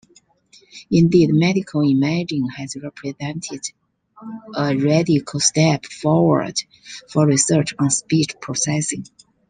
Indeed, medical imaging has represented a radical step forward for research on speech processing.